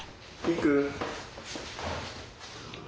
いく。